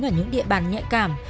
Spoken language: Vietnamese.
ở những địa bàn nhạy cảm